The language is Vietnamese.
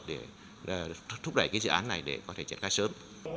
để thúc đẩy cái dự án này để có thể trở thành sớm